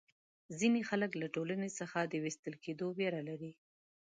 ځینې خلک له ټولنې څخه د وېستل کېدو وېره لري.